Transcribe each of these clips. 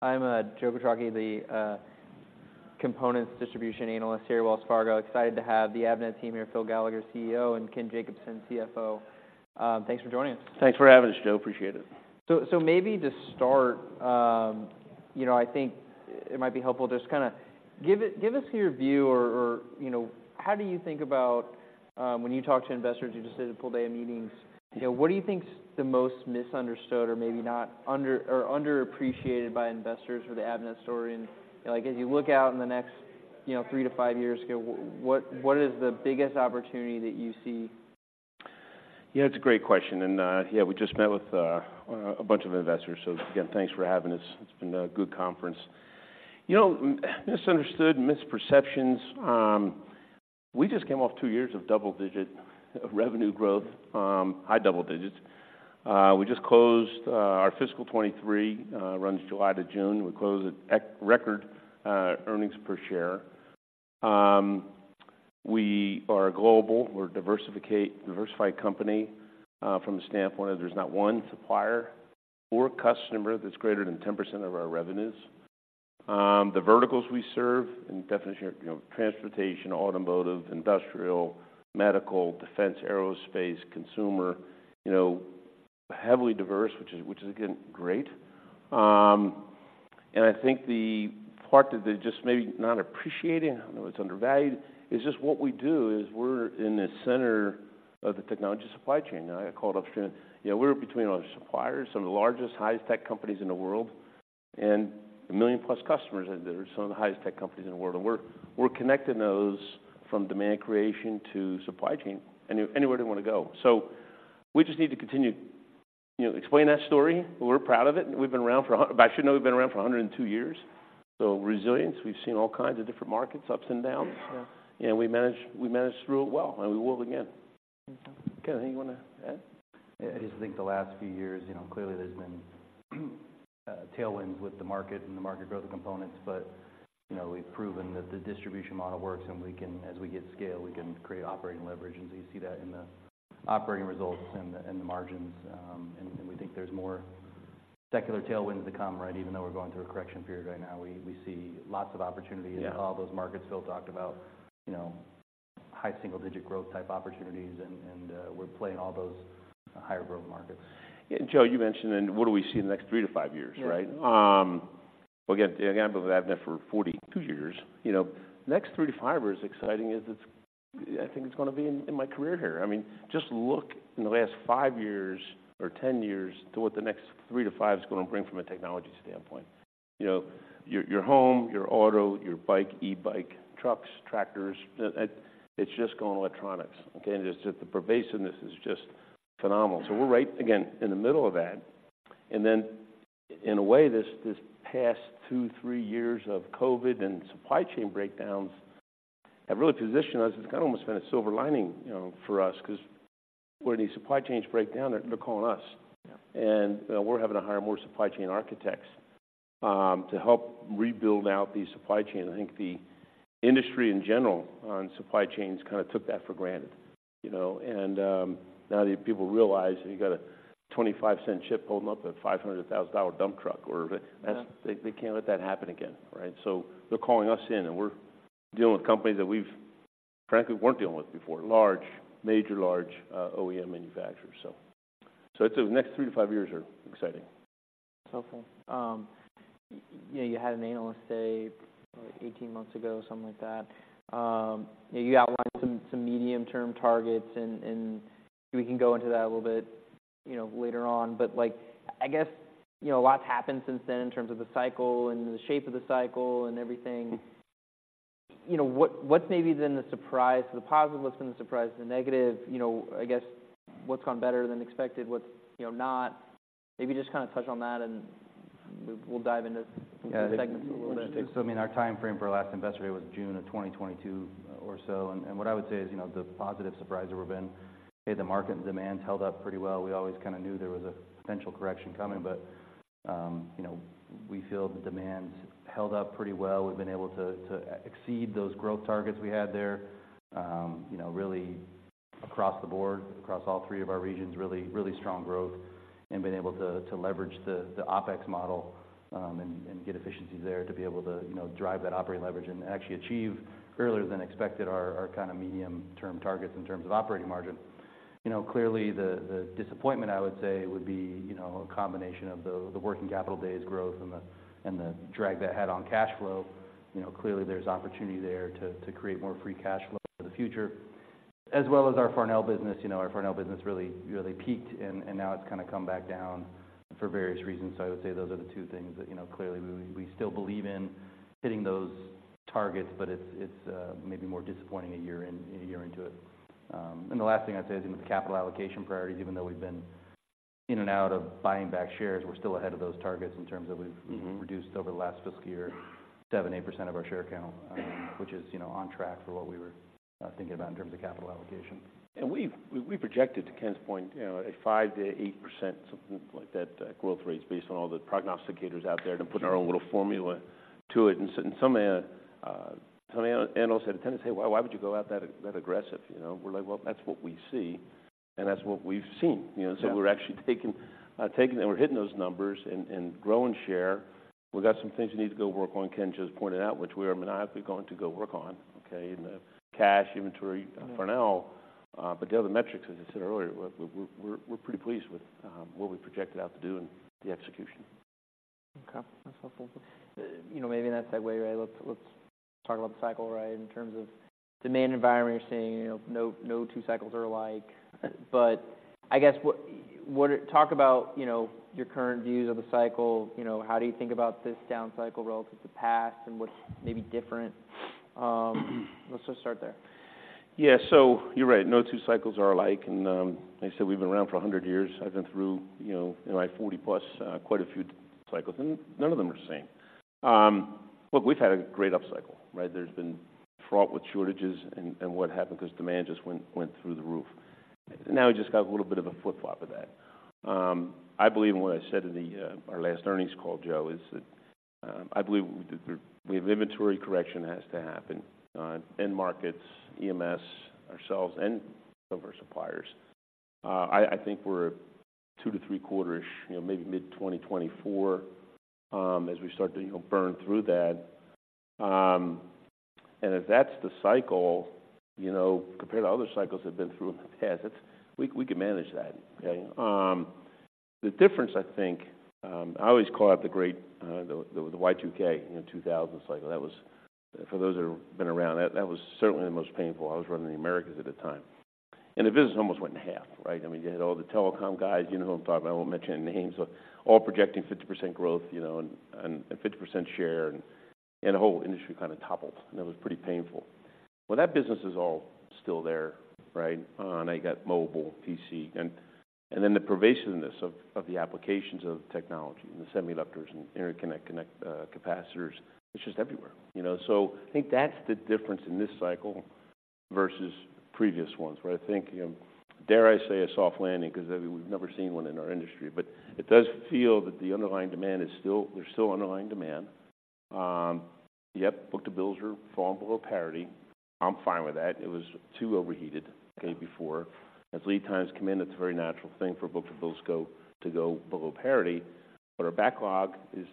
I'm Joe Quatrochi, the components distribution analyst here at Wells Fargo. Excited to have the Avnet team here, Phil Gallagher, CEO, and Ken Jacobson, CFO. Thanks for joining us. Thanks for having us, Joe. Appreciate it. Maybe to start, you know, I think it might be helpful just to kind of give us your view or, you know, how do you think about, when you talk to investors, you just did a full day of meetings, you know, what do you think is the most misunderstood or maybe not underappreciated by investors for the Avnet story? Like, as you look out in the next, you know, three to five years, what is the biggest opportunity that you see? Yeah, it's a great question. Yeah, we just met with a bunch of investors. Again, thanks for having us. It's been a good conference. You know, misunderstood, misperceptions, we just came off two years of double-digit revenue growth, high double digits. We just closed our fiscal 2023, runs July to June. We closed at record earnings per share. We are global. We're diversified company from the standpoint of there's not one supplier or customer that's greater than 10% of our revenues. The verticals we serve, and definitely, you know, transportation, automotive, industrial, medical, defense, aerospace, consumer, you know, heavily diverse, which is, which is, again, great. I think the part that they're just maybe not appreciating, I don't know if it's undervalued, is just what we do is we're in the center of the technology supply chain. Now, I call it upstream. You know, we're between our suppliers, some of the largest, highest tech companies in the world, and 1 million-plus customers that are some of the highest tech companies in the world. We're connecting those from demand creation to supply chain, anywhere they want to go. So we just need to continue, you know, explain that story. We're proud of it, and I should note, we've been around for 102 years, so resilience, we've seen all kinds of different markets, ups and downs. Yeah. We managed through it well, and we will again. Okay. Ken, anything you want to add? I just think the last few years, you know, clearly there's been tailwinds with the market and the market growth components, but, you know, we've proven that the distribution model works, and we can—as we get scale, we can create operating leverage. And so you see that in the operating results and the margins. We think there's more secular tailwinds to come, right? Even though we're going through a correction period right now, we see lots of opportunities- Yeah... in all those markets Phil talked about, you know, high single-digit growth type opportunities, and we're playing all those higher growth markets. Yeah, Joe, you mentioned, and what do we see in the next three-five years, right? Yeah. Well, again, I've been with Avnet for 42 years. You know, next three-five years is exciting, it's. I think it's gonna be in my career here. I mean, just look in the last five years or 10 years to what the next 2-5 is gonna bring from a technology standpoint. You know, your home, your auto, your bike, e-bike, trucks, tractors, it's just gone electronics, okay? And just the pervasiveness is just phenomenal. We're right, again, in the middle of that. And then, in a way, this past 2-3 years of COVID and supply chain breakdowns have really positioned us. It's kind of almost been a silver lining, you know, for us, 'cause when these supply chains break down, they're calling us. Yeah. We're having to hire more supply chain architects to help rebuild out the supply chain. I think the industry in general, on supply chains, kind of took that for granted, you know? Now that people realize you got a 25-cent chip holding up a $500,000 dump truck or- Yeah... they, they can't let that happen again, right? They're calling us in, and we're dealing with companies that we've frankly weren't dealing with before. Large, major, large, OEM manufacturers. So it's the next 3-5 years are exciting. It's helpful. You know, you had an analyst day 18 months ago, something like that. You outlined some, some medium-term targets, and, and we can go into that a little bit, you know, later on. But, like, I guess, you know, a lot's happened since then in terms of the cycle and the shape of the cycle and everything. You know, what, what's maybe been the surprise to the positive? What's been the surprise to the negative? You know, I guess, what's gone better than expected, what's, you know, not? Maybe just kind of touch on that, and we'll dive into- Yeah The segments a little bit. I mean, our time frame for our last investor day was June of 2022 or so. And what I would say is, you know, the positive surprise have been, hey, the market and demand held up pretty well. We always kind of knew there was a potential correction coming, but, you know, we feel the demand's held up pretty well. We've been able to exceed those growth targets we had there. You know, really across the board, across all three of our regions, really, really strong growth and been able to leverage the OpEx model, and get efficiencies there to be able to, you know, drive that operating leverage and actually achieve earlier than expected, our kind of medium-term targets in terms of operating margin. You know, clearly, the disappointment, I would say, would be, you know, a combination of the working capital days growth and the drag that had on cash flow. You know, clearly, there's opportunity there to create more free cash flow for the future, as well as our Farnell business. You know, our Farnell business really, really peaked, and now it's kind of come back down for various reasons. I would say those are the two things that, you know, clearly we still believe in hitting those targets, but it's maybe more disappointing a year in, a year into it. And the last thing I'd say is, you know, the capital allocation priorities, even though we've been in and out of buying back shares, we're still ahead of those targets in terms of we've-... reduced over the last fiscal year, 7%-8% of our share count, which is, you know, on track for what we were thinking about in terms of capital allocation. We've projected, to Ken's point, you know, a 5%-8%, something like that, growth rate, based on all the prognosticators out there, to putting our own little formula to it. And so in some Some analysts said, "Hey, why, why would you go out that, that aggressive?" You know, we're like, "Well, that's what we see, and that's what we've seen. Yeah. You know, so we're actually taking and we're hitting those numbers and growing share. We've got some things we need to go work on, Ken just pointed out, which we are maniacally going to go work on, okay? In the cash inventory- Yeah For now, but the other metrics, as I said earlier, we're pretty pleased with what we projected out to do and the execution. Okay, that's helpful. You know, maybe in that segue, right, let's talk about the cycle, right? In terms of demand environment, you're saying, you know, no two cycles are alike. But I guess, talk about, you know, your current views of the cycle. You know, how do you think about this down cycle relative to past and what's maybe different? Let's just start there. Yeah. So you're right, no two cycles are alike, and, like I said, we've been around for 100 years. I've been through, you know, in my 40 plus, quite a few cycles, and none of them are the same. Look, we've had a great upcycle, right? There's been fraught with shortages and what happened, 'cause demand just went through the roof. Now, we just got a little bit of a flip-flop of that. I believe in what I said to the, our last earnings call, Joe, is that, I believe that we have inventory correction has to happen, end markets, EMS, ourselves, and some of our suppliers. I think we're 2-3 quarters, you know, maybe mid-2024, as we start to, you know, burn through that. If that's the cycle, you know, compared to other cycles I've been through in the past, it's—we can manage that, okay? The difference, I think, I always call out the great Y2K, you know, two thousand cycle. That was, for those who have been around, that was certainly the most painful. I was running the Americas at the time, and the business almost went in half, right? I mean, you had all the telecom guys, you know who I'm talking about. I won't mention any names, but all projecting 50% growth, you know, and 50% share, and the whole industry kind of toppled, and it was pretty painful. Well, that business is all still there, right? Now you got mobile, PC, and then the pervasiveness of the applications of technology and the semiconductors and interconnect, connect, capacitors. It's just everywhere, you know? I think that's the difference in this cycle versus previous ones, where I think, dare I say, a soft landing, 'cause, I mean, we've never seen one in our industry. But it does feel that the underlying demand is still, there's still underlying demand. Yep, book-to-bills are falling below parity. I'm fine with that. It was too overheated, okay, before. As lead times come in, it's a very natural thing for book-to-bills to go below parity, but our backlog is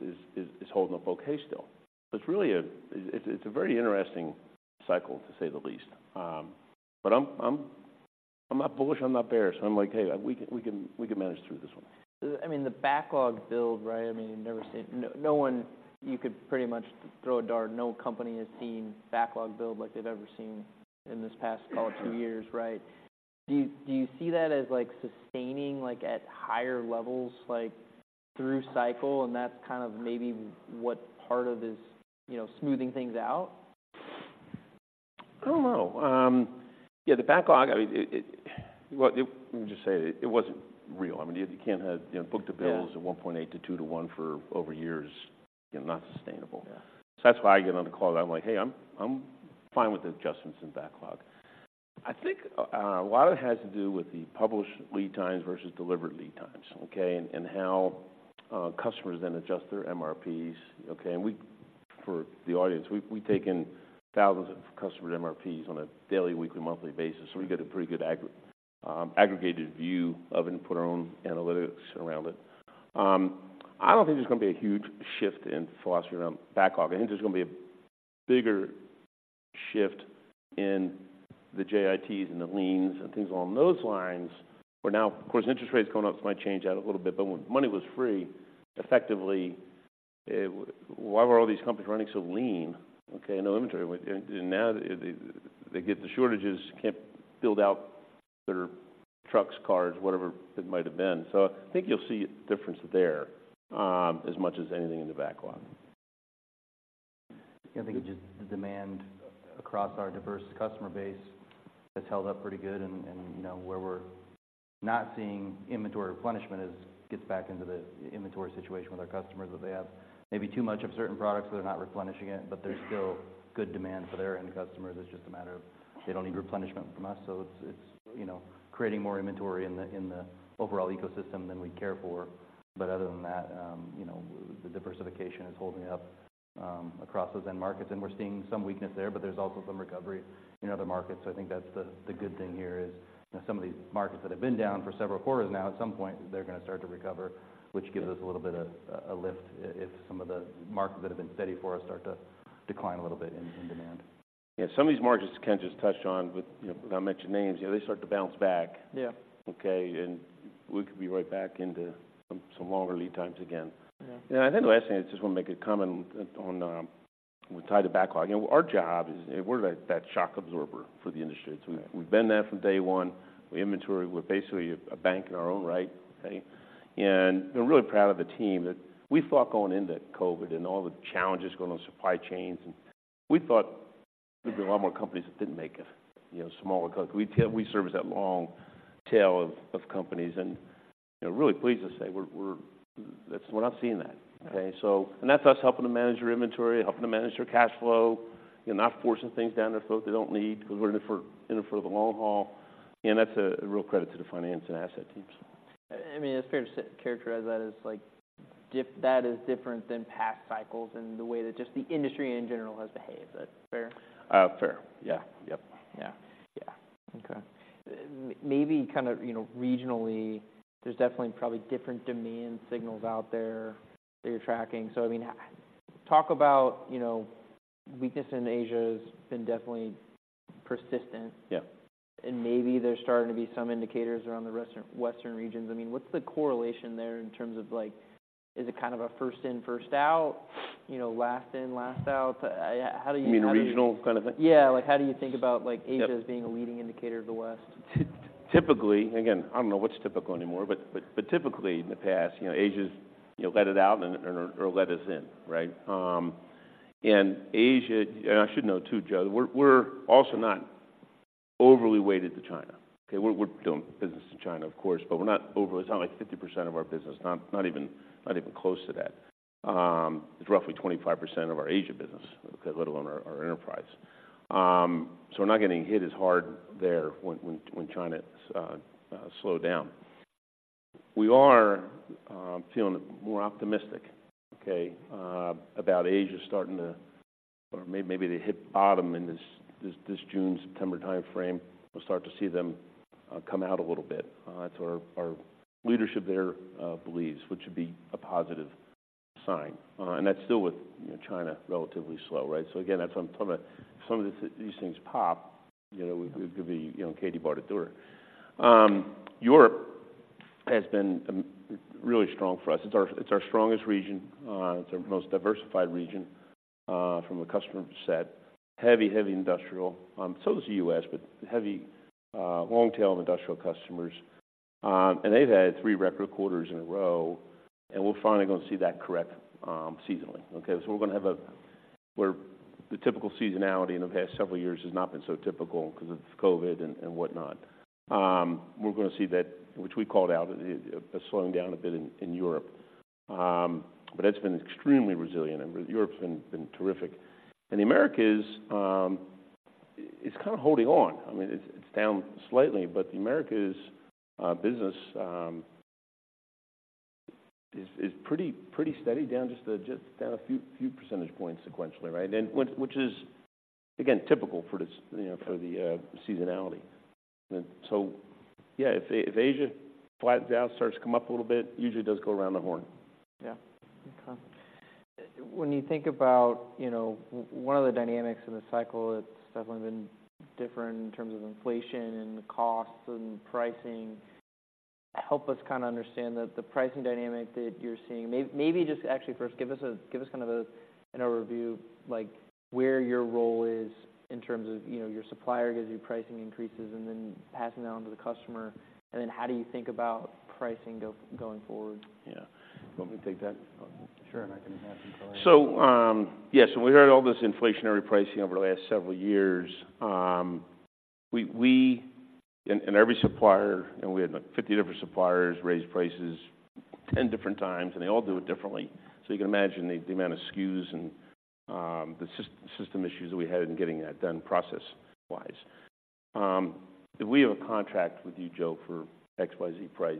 holding up okay still. It's really a... It's a very interesting cycle, to say the least. But I'm not bullish, I'm not bearish. I'm like: Hey, we can, we can, we can manage through this one. I mean, the backlog build, right? I mean, you've never seen, no one... You could pretty much throw a dart. No company has seen backlog build like they've ever seen in this past, call it, two years, right? Do you, do you see that as, like, sustaining, like, at higher levels, like, through cycle, and that's kind of maybe what part of this, you know, smoothing things out? I don't know. Yeah, the backlog, I mean, it well, let me just say, it wasn't real. I mean, you can't have, you know, book to bills- Yeah... of 1.8- to 2-to-1 for over years. You know, not sustainable. Yeah. That's why I get on the call, I'm like: Hey, I'm fine with the adjustments in backlog. I think a lot of it has to do with the published lead times versus delivered lead times, okay, and how customers then adjust their MRPs, okay? And we, for the audience, we take in thousands of customer MRPs on a daily, weekly, monthly basis, so we get a pretty good aggregated view of it and put our own analytics around it. I don't think there's gonna be a huge shift in philosophy around backlog. I think there's gonna be a bigger shift in the JITs and the leans and things along those lines, where now, of course, interest rates going up might change that a little bit, but when money was free, effectively, why were all these companies running so lean? Okay, no inventory. And now they get the shortages, can't build out their trucks, cars, whatever it might have been. I think you'll see a difference there, as much as anything in the backlog. I think just the demand across our diverse customer base has held up pretty good, and you know, where we're not seeing inventory replenishment is, gets back into the inventory situation with our customers, that they have maybe too much of certain products, so they're not replenishing it, but there's still good demand for their end customers. It's just a matter of they don't need replenishment from us. It's you know, creating more inventory in the overall ecosystem than we care for. But other than that, you know, the diversification is holding up across the end markets, and we're seeing some weakness there, but there's also some recovery in other markets. I think that's the good thing here is, you know, some of these markets that have been down for several quarters now, at some point, they're gonna start to recover, which gives us a little bit of a lift if some of the markets that have been steady for us start to decline a little bit in demand. Yeah, some of these markets Ken just touched on, but, you know, without mentioning names, you know, they start to bounce back. Yeah. Okay, and we could be right back into some longer lead times again. Yeah. I think the last thing, I just want to make a comment on, tied to backlog. You know, our job is we're that shock absorber for the industry. Yeah. We've been there from day one. We inventory. We're basically a bank in our own right, okay? And we're really proud of the team that we thought going into COVID and all the challenges going on supply chains, and we thought there'd be a lot more companies that didn't make it, you know, smaller companies. We service that long tail of companies, and, you know, really pleased to say that we're not seeing that. Yeah. Okay, that's us helping them manage their inventory, helping them manage their cash flow, you know, not forcing things down their throat they don't need, because we're in it for, in it for the long haul, and that's a real credit to the finance and asset teams. I mean, it's fair to say if that is different than past cycles and the way that just the industry in general has behaved. Is that fair? Fair. Yeah. Yep. Yeah. Yeah. Okay. Maybe kind of, you know, regionally, there's definitely probably different demand signals out there that you're tracking. I mean, talk about, you know, weakness in Asia has been definitely persistent. Yeah. Maybe there's starting to be some indicators around the rest of the western regions. I mean, what's the correlation there in terms of, like, is it kind of a first in, first out, you know, last in, last out? How do you- You mean regional kind of thing? Yeah. Like, how do you think about, like- Yep Asia as being a leading indicator of the West? Typically, again, I don't know what's typical anymore, but typically in the past, you know, Asia's, you know, let it out and, or let us in, right? And Asia. And I should know too, Joe, we're also not overly weighted to China, okay? We're doing business in China, of course, but we're not overly. It's not like 50% of our business, not even, not even close to that. It's roughly 25% of our Asia business, let alone our enterprise. So we're not getting hit as hard there when China slowed down. We are feeling more optimistic, okay, about Asia starting to, or maybe they hit bottom in this June, September time frame. We'll start to see them come out a little bit. That's what our leadership there believes, which would be a positive sign. That's still with, you know, China relatively slow, right? So again, that's some of these things pop, you know, it could be, you know, Katie bar the door. Europe has been really strong for us. It's our strongest region, our most diversified region from a customer set. Heavy industrial. So is the U.S., but heavy long tail of industrial customers. And they've had three record quarters in a row, and we're finally gonna see that correct seasonally. Okay? So we're gonna have a... Where the typical seasonality in the past several years has not been so typical 'cause of COVID and what not. We're gonna see that, which we called out, a slowing down a bit in Europe. But it's been extremely resilient, and Europe's been terrific. And the Americas, it's kind of holding on. I mean, it's down slightly, but the Americas business is pretty steady, down just a few percentage points sequentially, right? And which is, again, typical for this, you know, for the seasonality. And so, yeah, if Asia flattens out, starts to come up a little bit, usually does go around the horn. Yeah. Okay. When you think about, you know, one of the dynamics of the cycle, it's definitely been different in terms of inflation and the cost and pricing. Help us kinda understand the pricing dynamic that you're seeing. Maybe just actually first give us kind of a, an overview, like where your role is in terms of, you know, your supplier gives you pricing increases, and then passing that on to the customer, and then how do you think about pricing going forward? Yeah. You want me to take that? Sure, and I can add some color. Yes, when we had all this inflationary pricing over the last several years, and every supplier, and we had, like, 50 different suppliers raise prices 10 different times, and they all do it differently. So you can imagine the amount of SKUs and the system issues that we had in getting that done process-wise. If we have a contract with you, Joe, for XYZ price,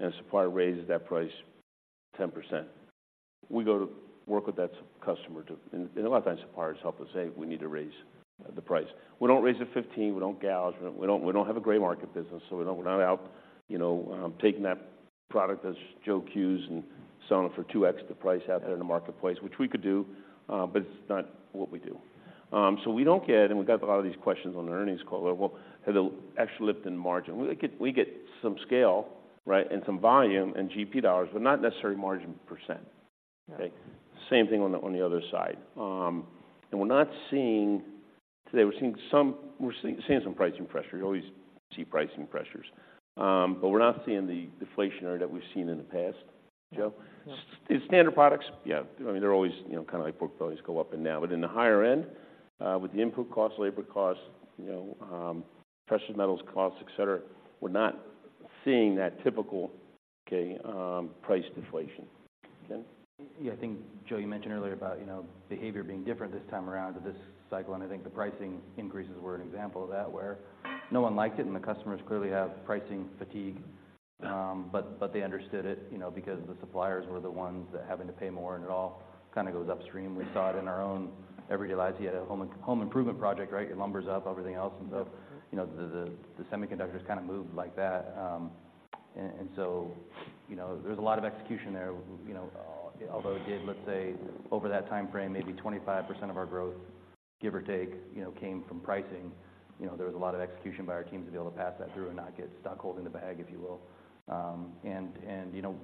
and a supplier raises that price 10%, we go to work with that customer to... And a lot of times, suppliers help us, "Hey, we need to raise the price." We don't raise it 15, we don't gouge, we don't, we don't have a gray market business, so we don't- we're not out, you know, taking that product that Joe Quatrochi and selling it for 2x the price out there in the marketplace, which we could do, but it's not what we do. We don't get, and we got a lot of these questions on the earnings call, well, had the actual lift in margin. We get, we get some scale, right, and some volume and GP dollars, but not necessarily margin percent. Yeah. Okay? Same thing on the other side. And we're not seeing... Today, we're seeing some pricing pressure. You always see pricing pressures, but we're not seeing the deflation area that we've seen in the past, Joe. Yeah. Standard products, yeah, I mean, they're always, you know, kind of like book values go up and down. But in the higher end, with the input costs, labor costs, you know, precious metals costs, et cetera, we're not seeing that typical, okay, price deflation. Ken? Yeah, I think, Joe, you mentioned earlier about, you know, behavior being different this time around at this cycle, and I think the pricing increases were an example of that, where no one liked it, and the customers clearly have pricing fatigue. Yeah. But they understood it, you know, because the suppliers were the ones that having to pay more, and it all kind of goes upstream. We saw it in our own everyday lives. You had a home improvement project, right? Your lumber's up, everything else, and so- Yeah... you know, the semiconductors kind of moved like that. And so, you know, there's a lot of execution there, you know, although it did, let's say, over that timeframe, maybe 25% of our growth, give or take, you know, came from pricing. You know, there was a lot of execution by our teams to be able to pass that through and not get stuck holding the bag, if you will. And, you know,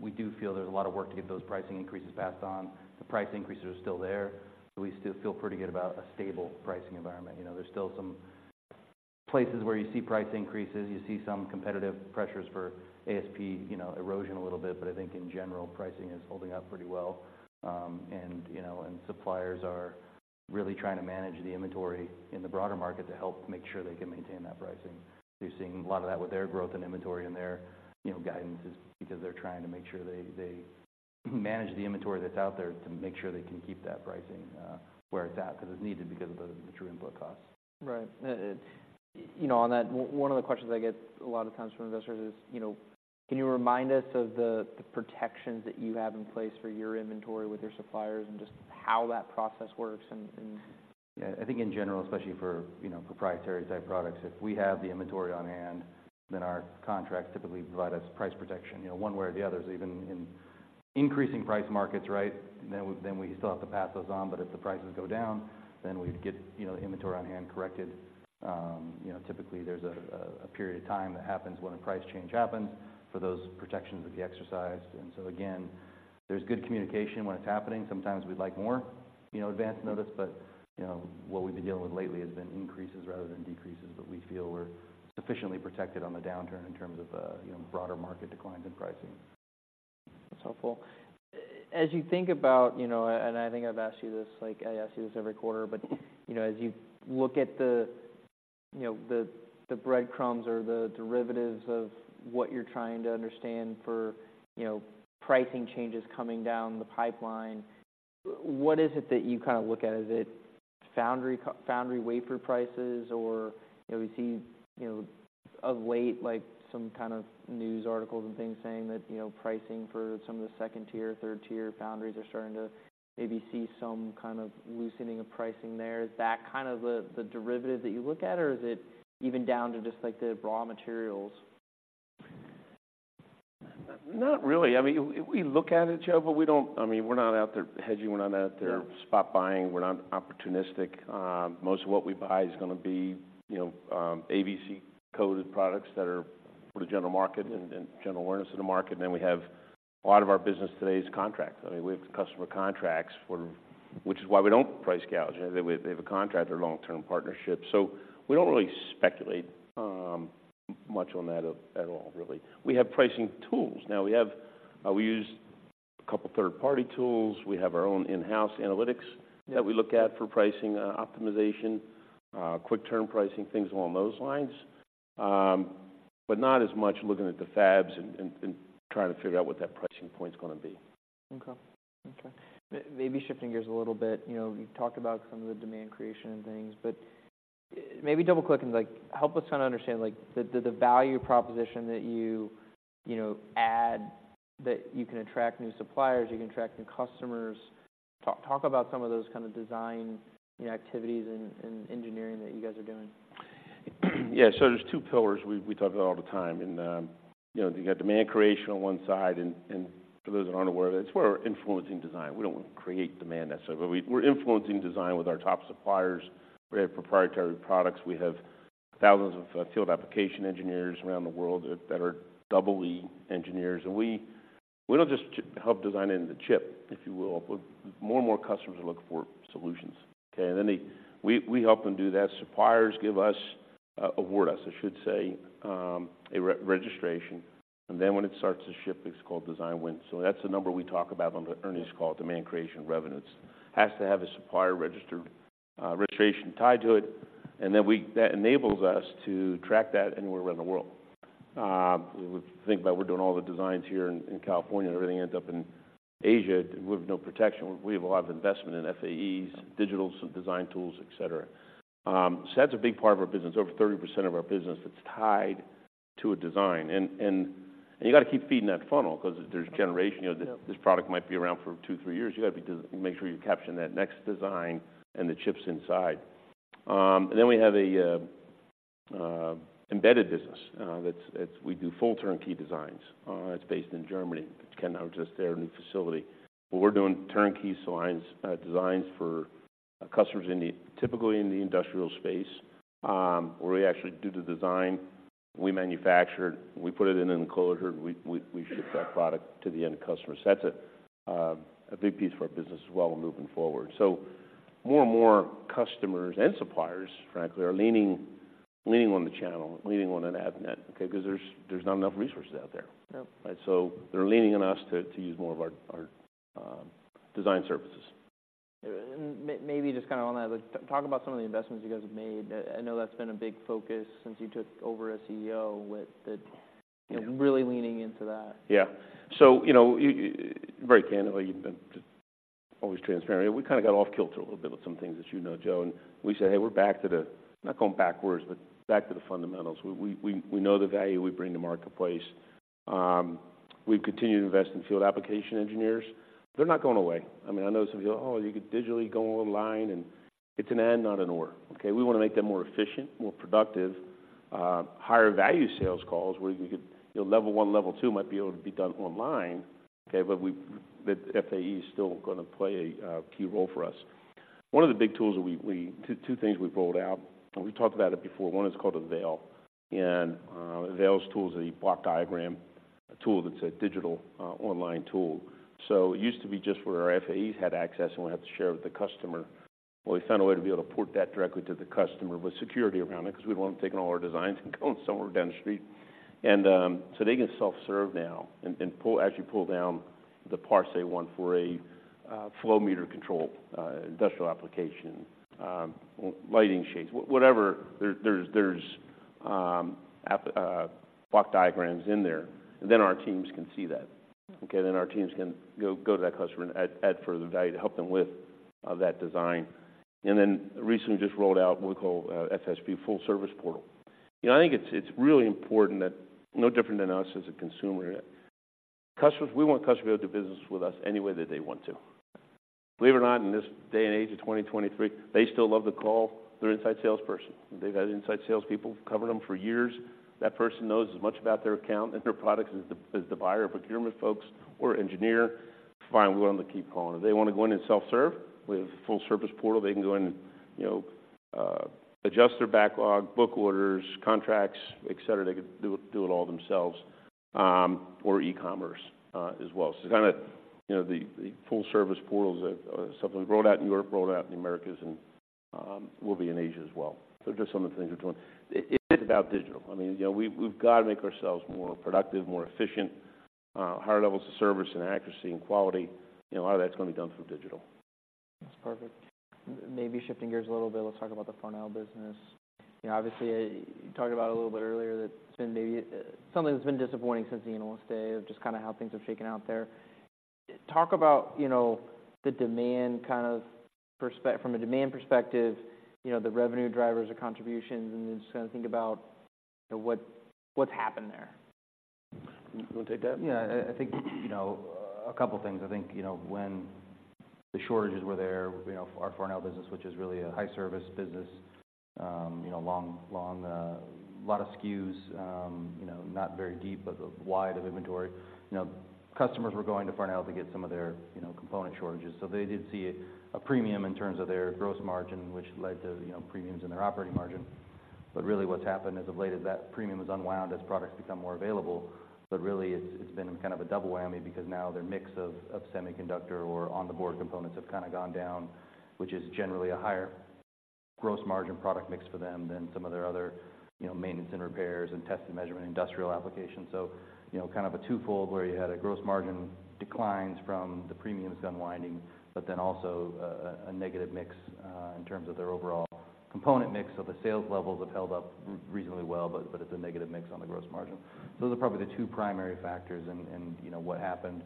we do feel there's a lot of work to get those pricing increases passed on. The price increases are still there, but we still feel pretty good about a stable pricing environment. You know, there's still some places where you see price increases, you see some competitive pressures for ASP, you know, erosion a little bit, but I think in general, pricing is holding up pretty well. You know, suppliers are really trying to manage the inventory in the broader market to help make sure they can maintain that pricing. You're seeing a lot of that with their growth and inventory and their, you know, guidances, because they're trying to make sure they manage the inventory that's out there to make sure they can keep that pricing where it's at, 'cause it's needed because of the true input costs. Right. You know, on that, one of the questions I get a lot of times from investors is, you know, can you remind us of the protections that you have in place for your inventory with your suppliers, and just how that process works, and, and-... Yeah, I think in general, especially for, you know, proprietary type products, if we have the inventory on hand, then our contracts typically provide us price protection. You know, one way or the other, even in increasing price markets, right? Then we, then we still have to pass those on, but if the prices go down, then we'd get, you know, the inventory on hand corrected. You know, typically there's a period of time that happens when a price change happens for those protections to be exercised. And so again, there's good communication when it's happening. Sometimes we'd like more, you know, advance notice, but, you know, what we've been dealing with lately has been increases rather than decreases, but we feel we're sufficiently protected on the downturn in terms of, you know, broader market declines in pricing. That's helpful. As you think about, you know, and I think I've asked you this, like, I ask you this every quarter, but, you know, as you look at the, you know, the, the breadcrumbs or the derivatives of what you're trying to understand for, you know, pricing changes coming down the pipeline, what is it that you kind of look at? Is it foundry, foundry wafer prices or, you know, we see, you know, of late, like some kind of news articles and things saying that, you know, pricing for some of the second-tier, third-tier foundries are starting to maybe see some kind of loosening of pricing there. Is that kind of the, the derivative that you look at, or is it even down to just like the raw materials? Not really. I mean, we look at it, Joe, but we don't. I mean, we're not out there hedging, we're not out there- Yeah -spot buying. We're not opportunistic. Most of what we buy is gonna be, you know, ABC-coded products that are for the general market and general awareness of the market. Then we have a lot of our business today is contracts. I mean, we have customer contracts for, which is why we don't price gouge. They have a contract or long-term partnership. So we don't really speculate much on that at all, really. We have pricing tools. Now, we have, we use a couple third-party tools. We have our own in-house analytics- Yeah -that we look at for pricing, optimization, quick term pricing, things along those lines. But not as much looking at the fabs and trying to figure out what that pricing point is gonna be. Okay. Okay. Maybe shifting gears a little bit, you know, you've talked about some of the demand creation and things, but maybe double-click and, like, help us kind of understand, like, the value proposition that you, you know, add, that you can attract new suppliers, you can attract new customers. Talk about some of those kind of design, you know, activities and engineering that you guys are doing. Yeah, there's two pillars we talk about all the time. And, you know, you got Demand Creation on one side, and, and for those that aren't aware of it, it's where we're influencing design. We don't create demand necessarily, but we, we're influencing design with our top suppliers. We have proprietary products. We have thousands of field application engineers around the world that are EE engineers, and we-- we don't just help design it in the chip, if you will. More and more customers are looking for solutions, okay? And then they... We, we help them do that. Suppliers give us, award us, I should say, a re-registration, and then when it starts to ship, it's called Design Win. That's the number we talk about on the earnings call, Demand Creation revenues. Has to have a supplier registered registration tied to it, and then we that enables us to track that anywhere around the world. We think about we're doing all the designs here in California, and everything ends up in Asia. We have no protection. We have a lot of investment in FAEs, digitals, design tools, et cetera. So that's a big part of our business, over 30% of our business that's tied to a design. And you got to keep feeding that funnel because there's generation. Yeah. You know, this product might be around for two, three years. You got to be make sure you capture that next design and the chips inside. And then we have a embedded business, that's what we do full turnkey designs. It's based in Germany. Ken, I was just there, new facility, but we're doing turnkey designs for customers in the typically in the industrial space, where we actually do the design, we manufacture it, we put it in an enclosure, we ship that product to the end customer. So that's a big piece for our business as well moving forward. More and more customers and suppliers, frankly, are leaning on the channel, leaning on Avnet, okay? Because there's not enough resources out there. Yep. So they're leaning on us to use more of our design services. Maybe just kind of on that, talk about some of the investments you guys have made. I know that's been a big focus since you took over as CEO, with the- Yeah... really leaning into that. Yeah. So, you know, very candidly, just always transparent. We kind of got off kilter a little bit with some things, as you know, Joe, and we said, "Hey, we're back to the... Not going backwards, but back to the fundamentals." We know the value we bring to marketplace. We've continued to invest in field application engineers. They're not going away. I mean, I know some of you, "Oh, you could digitally go online and..." It's an and, not an or. Okay? We want to make them more efficient, more productive, higher value sales calls, where you could, you know, level one, level two might be able to be done online, okay? But the FAE is still gonna play a key role for us. One of the big tools that we... Two, two things we've rolled out, and we talked about it before. One is called Avail, and Avail's tools is a block diagram, a tool that's a digital online tool. So it used to be just where our FAEs had access, and we had to share it with the customer. Well, we found a way to be able to port that directly to the customer with security around it, because we don't want them taking all our designs and going somewhere down the street. And so they can self-serve now and pull, actually pull down the parts they want for a flow meter control, industrial application, lighting shades, whatever. There's app block diagrams in there, and then our teams can see that. Okay, then our teams can go to that customer and add further value to help them with that design. And then recently just rolled out what we call FSP, Full Service Portal. You know, I think it's really important that no different than us as a consumer, customers we want customers to do business with us any way that they want to. Believe it or not, in this day and age of 2023, they still love to call their inside salesperson. They've had inside salespeople cover them for years. That person knows as much about their account and their products as the buyer or procurement folks or engineer. Fine, we want them to keep calling. If they want to go in and self-serve, we have a full service portal. They can go in and, you know, adjust their backlog, book orders, contracts, et cetera. They could do it all themselves, or e-commerce, as well. Kind of, you know, the Full Service Portals are something we rolled out in Europe, rolled out in the Americas, and will be in Asia as well. So just some of the things we're doing. It is about digital. I mean, you know, we've got to make ourselves more productive, more efficient, higher levels of service and accuracy and quality. You know, a lot of that's going to be done through digital. That's perfect. Maybe shifting gears a little bit, let's talk about the Farnell business. You know, obviously, you talked about it a little bit earlier, that it's been maybe something that's been disappointing since the analyst day, of just kind of how things have shaken out there. Talk about, you know, the demand kind of from a demand perspective, you know, the revenue drivers or contributions, and then just kind of think about, you know, what, what's happened there. You want to take that? Yeah, I think, you know, a couple of things. I think, you know, when the shortages were there, you know, our Farnell business, which is really a high service business, you know, long tail. A lot of SKUs, you know, not very deep but wide inventory. You know, customers were going to Farnell to get some of their, you know, component shortages. So they did see a premium in terms of their gross margin, which led to, you know, premiums in their operating margin. But really, what's happened as of late is that premium is unwound as products become more available. But really, it's been kind of a double whammy because now their mix of semiconductor or on-the-board components have kind of gone down, which is generally a higher gross margin product mix for them than some of their other, you know, maintenance and repairs and test and measurement industrial applications. You know, kind of a twofold, where you had a gross margin declines from the premiums unwinding, but then also a negative mix in terms of their overall component mix. The sales levels have held up reasonably well, but it's a negative mix on the gross margin. Those are probably the two primary factors and, you know, what happened.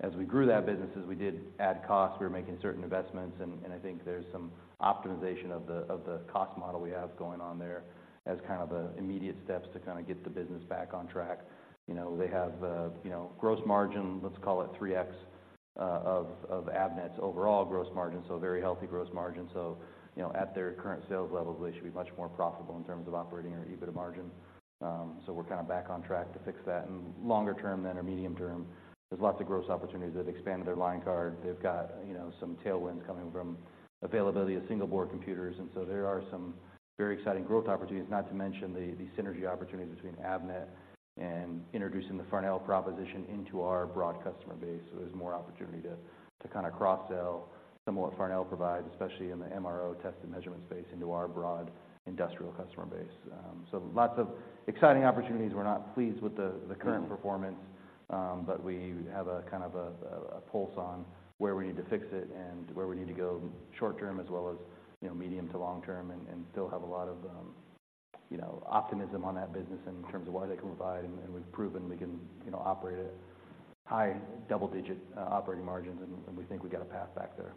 As we grew that business, as we did add costs, we were making certain investments, and I think there's some optimization of the cost model we have going on there as kind of the immediate steps to kind of get the business back on track. You know, they have, you know, gross margin, let's call it 3x of Avnet's overall gross margin, so very healthy gross margin. So, you know, at their current sales levels, they should be much more profitable in terms of operating or EBITDA margin. So we're kind of back on track to fix that. And longer term than our medium term, there's lots of gross opportunities. They've expanded their line card, they've got, you know, some tailwinds coming from availability of single-board computers. And so there are some very exciting growth opportunities, not to mention the synergy opportunities between Avnet and introducing the Farnell proposition into our broad customer base. So there's more opportunity to kind of cross-sell some of what Farnell provides, especially in the MRO test and measurement space, into our broad industrial customer base. Lots of exciting opportunities. We're not pleased with the- current performance, but we have a kind of a pulse on where we need to fix it and where we need to go short term, as well as, you know, medium to long term, and still have a lot of, you know, optimism on that business in terms of what they can provide. And we've proven we can, you know, operate at high double-digit operating margins, and we think we've got a path back there.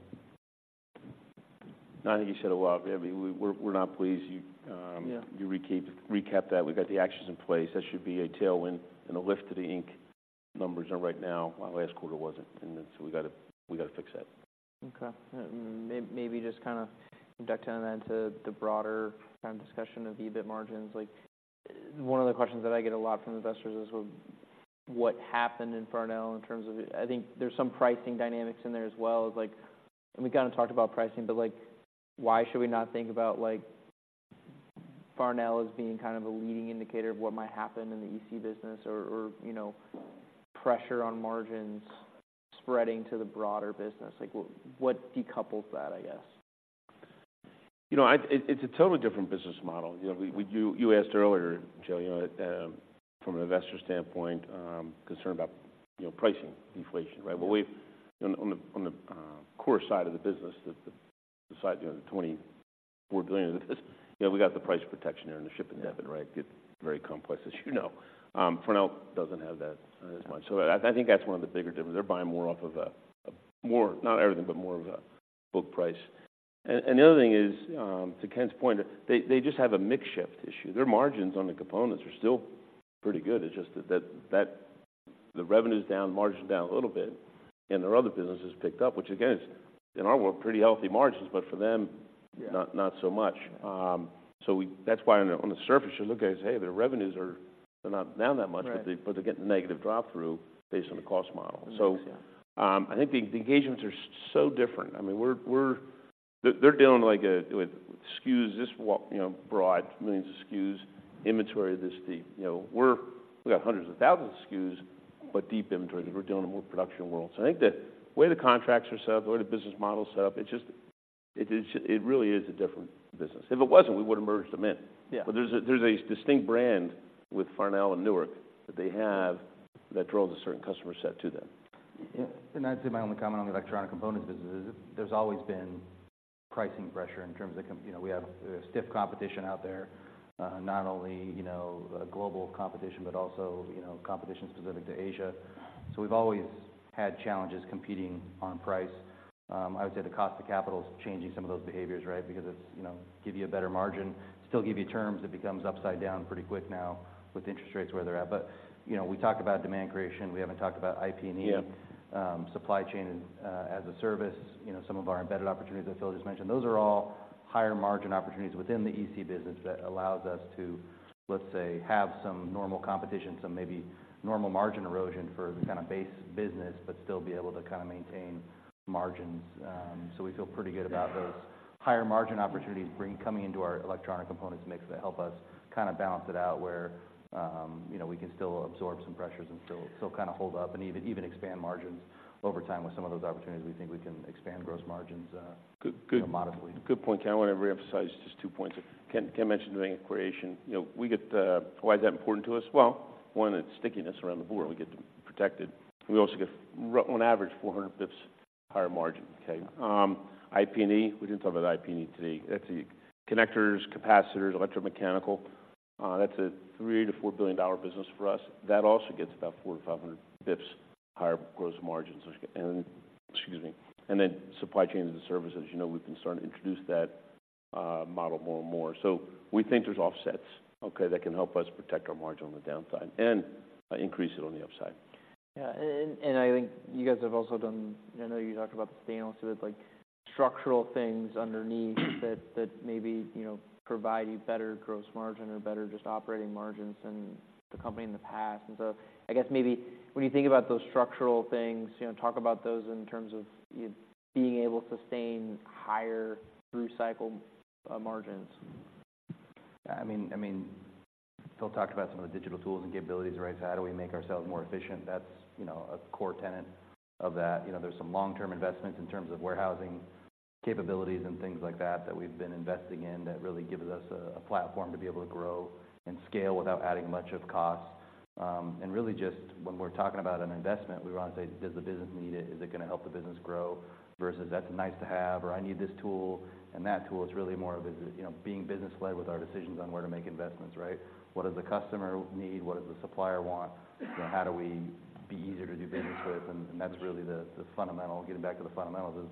I think you said a lot. I mean, we're not pleased. You, Yeah... you recap, recapped that. We've got the actions in place. That should be a tailwind and a lift to the Inc. numbers right now. Our last quarter wasn't, and so we got to, we got to fix that. Okay. Maybe just kind of duck down into the broader kind of discussion of EBIT margins. Like, one of the questions that I get a lot from investors is what, what happened in Farnell in terms of... I think there's some pricing dynamics in there as well. Like, and we kind of talked about pricing, but, like, why should we not think about, like, Farnell as being kind of a leading indicator of what might happen in the EC business or, or, you know, pressure on margins spreading to the broader business? Like, what, what decouples that, I guess? You know, it's a totally different business model. You know, we, you asked earlier, Joe, you know, from an investor standpoint, concern about, you know, pricing deflation, right? Well, we've on the core side of the business, the side, you know, the $24 billion of this, you know, we got the price protection there and the Ship and Debit, right? Yeah. Get very complex, as you know. Farnell doesn't have that as much. So I think that's one of the bigger differences. They're buying more off of a more—not everything, but more of a bulk price. The other thing is, to Ken's point, they just have a mix shift issue. Their margins on the components are still pretty good. It's just that the revenue's down, margin's down a little bit, and their other businesses picked up, which again, is in our world, pretty healthy margins, but for them— Yeah... not, not so much. So that's why on the, on the surface, you look at it and say, "Hey, their revenues are, they're not down that much. Right. But they're getting negative drop through based on the cost model. Yeah. I think the engagements are so different. I mean, we're, we're... They're dealing, like, with SKUs this wide, you know, broad, millions of SKUs, inventory this deep. You know, we got hundreds of thousands of SKUs, but deep inventory, we're dealing with more production world. So I think the way the contracts are set up, the way the business model is set up, it just, it is, it really is a different business. If it wasn't, we would've merged them in. Yeah. But there's a distinct brand with Farnell and Newark that they have that draws a certain customer set to them. Yeah, and that's my only comment on the electronic component business, is there's always been pricing pressure in terms of the, you know, we have, we have stiff competition out there, not only, you know, global competition, but also, you know, competition specific to Asia. We've always had challenges competing on price. I would say the cost of capital is changing some of those behaviors, right? Because it's, you know, give you a better margin, still give you terms, it becomes upside down pretty quick now with interest rates where they're at. But, you know, we talked about demand creation. We haven't talked about IP&E. Yeah. Supply chain as a service, you know, some of our embedded opportunities that Phil just mentioned, those are all higher margin opportunities within the EC business that allows us to, let's say, have some normal competition, some maybe normal margin erosion for the kinda base business, but still be able to kinda maintain margins. We feel pretty good about those. Yeah. Higher margin opportunities coming into our electronic components mix that help us kinda balance it out, where, you know, we can still absorb some pressures and still kinda hold up and even expand margins over time. With some of those opportunities, we think we can expand gross margins moderately. Good, good point, Ken. I wanna reemphasize just two points. Ken, Ken mentioned demand creation. You know, we get why is that important to us? Well, one, it's stickiness around the board. We get protected. We also get on average, 400 basis points higher margin, okay? IP&E, we didn't talk about IP&E today. That's the connectors, capacitors, electromechanical. That's a $3 billion-$4 billion business for us. That also gets about 400-500 basis points higher gross margins. Excuse me. Then supply chain as a service, as you know, we've been starting to introduce that model more and more. We think there's offsets, okay, that can help us protect our margin on the downside and increase it on the upside. Yeah, and I think you guys have also done... I know you talked about the sustainability, with, like, structural things underneath—that that maybe, you know, provide you better gross margin or better just operating margins than the company in the past. And so I guess maybe when you think about those structural things, you know, talk about those in terms of you being able to sustain higher through cycle margins. Yeah, I mean, Phil talked about some of the digital tools and capabilities, right? How do we make ourselves more efficient? That's, you know, a core tenet of that. You know, there's some long-term investments in terms of warehousing capabilities and things like that, that we've been investing in, that really gives us a platform to be able to grow and scale without adding much of cost. And really, just when we're talking about an investment, we wanna say: Does the business need it? Is it gonna help the business grow? Versus, "That's nice to have," or, "I need this tool and that tool." It's really more of is, you know, being business-led with our decisions on where to make investments, right? What does the customer need? What does the supplier want? You know, how do we be easier to do business with? That's really the fundamental. Getting back to the fundamentals is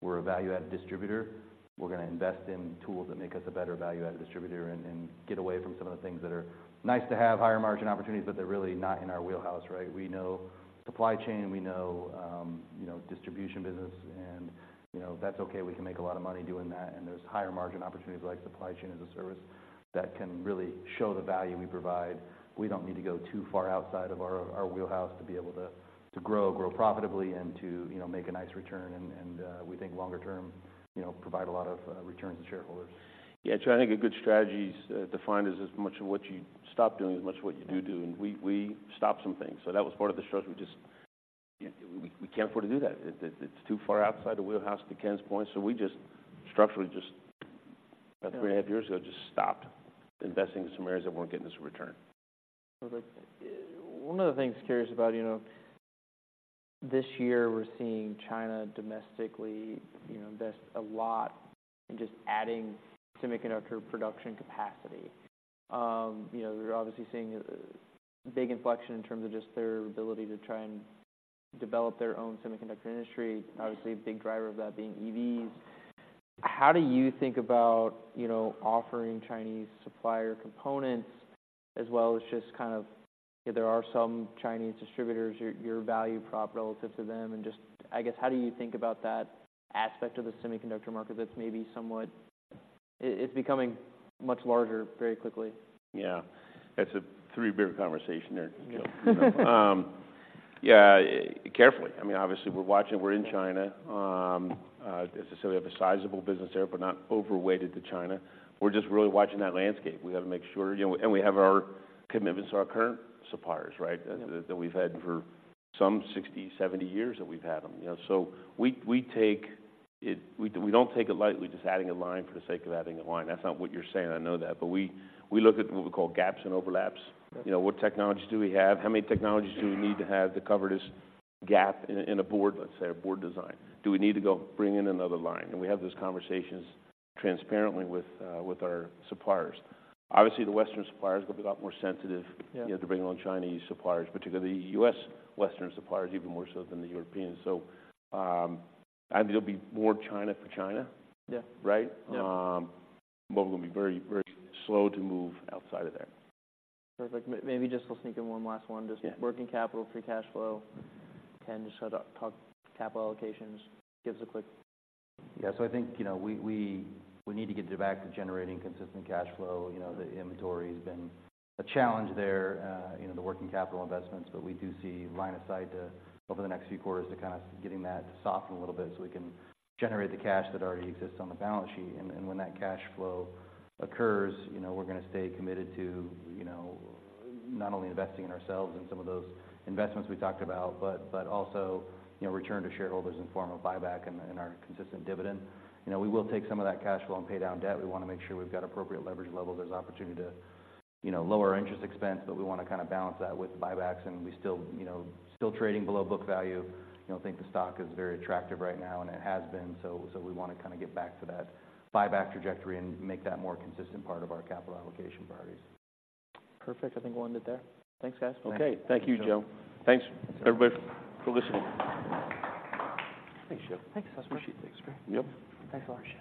we're a value-added distributor. We're gonna invest in tools that make us a better value-added distributor, and get away from some of the things that are nice to have, higher margin opportunities, but they're really not in our wheelhouse, right? We know supply chain, we know, you know, distribution business, and, you know, that's okay. We can make a lot of money doing that, and there's higher margin opportunities like supply chain as a service, that can really show the value we provide. We don't need to go too far outside of our wheelhouse to be able to grow profitably and to, you know, make a nice return and we think longer term, you know, provide a lot of return to shareholders. Yeah, I think a good strategy is defined as, as much of what you stop doing, as much what you do do. Yeah. We stopped some things, so that was part of the shows. We just... We can't afford to do that. It's too far outside the wheelhouse, to Ken's point. We just structurally, just about 3.5 years ago, just stopped investing in some areas that weren't getting us a return. Perfect. One of the things curious about, you know, this year we're seeing China domestically, you know, invest a lot in just adding semiconductor production capacity. You know, we're obviously seeing a big inflection in terms of just their ability to try and develop their own semiconductor industry. Obviously, a big driver of that being EVs. How do you think about, you know, offering Chinese supplier components, as well as just kind of if there are some Chinese distributors, your, your value prop relative to them, and just... I guess, how do you think about that aspect of the semiconductor market that's maybe somewhat... It, it's becoming much larger very quickly? Yeah. That's a three-beer conversation there. Yeah, carefully. I mean, obviously, we're watching. We're in China. As I said, we have a sizable business there, but not overweighted to China. We're just really watching that landscape. We have to make sure, you know... And we have our commitments to our current suppliers, right? Yeah. That we've had for some 60, 70 years, that we've had them. You know, so we, we take it- we, we don't take it lightly, just adding a line for the sake of adding a line. That's not what you're saying, I know that. But we, we look at what we call gaps and overlaps. Yeah. You know, what technologies do we have? How many technologies do we need to have to cover this gap in a, in a board, let's say, a board design? Do we need to go bring in another line? We have those conversations transparently with our suppliers. Obviously, the Western suppliers are gonna be a lot more sensitive- Yeah... you know, to bring on Chinese suppliers, particularly the U.S. Western suppliers, even more so than the Europeans. There'll be more China for China. Yeah. Right? Yeah. We're gonna be very, very slow to move outside of there. Perfect. Maybe just we'll sneak in one last one. Yeah. Just working capital, free cash flow, Ken. Just kinda talk capital allocations. Give us a quick- Yeah. I think, you know, we need to get back to generating consistent cash flow. You know, the inventory has been a challenge there, you know, the working capital investments. But we do see line of sight, over the next few quarters to kind of getting that to soften a little bit, so we can generate the cash that already exists on the balance sheet. When that cash flow occurs, you know, we're gonna stay committed to, you know, not only investing in ourselves and some of those investments we talked about, but also, you know, return to shareholders in form of buyback and our consistent dividend. You know, we will take some of that cash flow and pay down debt. We wanna make sure we've got appropriate leverage level. There's opportunity to, you know, lower our interest expense, but we wanna kinda balance that with buybacks, and we still, you know, still trading below book value. You know, I think the stock is very attractive right now, and it has been, so, so we wanna kinda get back to that buyback trajectory and make that more consistent part of our capital allocation priorities. Perfect. I think we'll end it there. Thanks, guys. Okay. Thank you, Joe. Thanks. Everybody, for listening. Thanks, Joe. Thanks, guys. Appreciate it. Thanks. Yep. Thanks a lot.